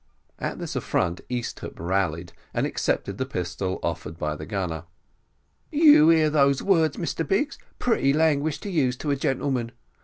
At this affront Mr Easthupp rallied, and accepted the pistol offered by the gunner. "You ear those words, Mr Biggs; pretty language to use to a gentleman.